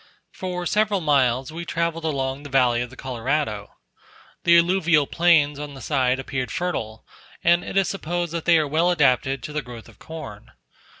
For several miles we travelled along the valley of the Colorado. The alluvial plains on the side appeared fertile, and it is supposed that they are well adapted to the growth of corn.